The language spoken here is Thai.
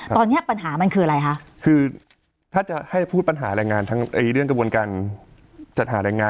ตอนนี้ปัญหามันคืออะไรคะคือถ้าจะให้พูดปัญหาแรงงานทั้งเรื่องกระบวนการจัดหาแรงงาน